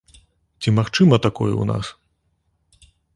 Ці магчыма такое ў нас?